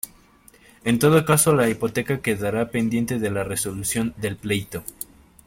En todo caso la hipoteca quedará pendiente de la resolución del pleito.